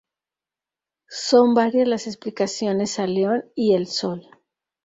Son varias las explicaciones al león y el sol.